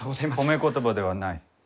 褒め言葉ではない。